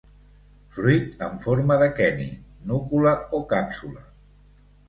Fruit en forma d'aqueni, núcula o càpsula.